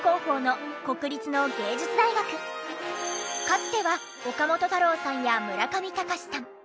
かつては岡本太郎さんや村上隆さん